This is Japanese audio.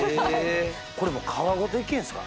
これもう皮ごといけんすか？